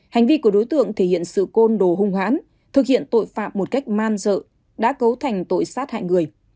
hành vi của đối tượng thể hiện sự côn đồ hung hãn thực hiện tội phạm một cách man dợ đã cấu thành tội sát hại người